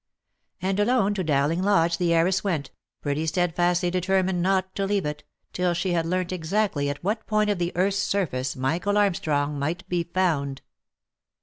And alone to Dowling Lodge the heiress went, pretty steadfastly determined not to leave it, till she had learnt exactly at what point of the earth's surface Michael Armstrong might be found.